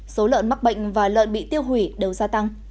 số lợn mắc bệnh và lợn bị tiêu hủy đều gia tăng